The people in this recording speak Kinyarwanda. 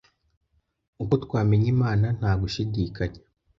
Uko twamenya Imana ntagushidikanya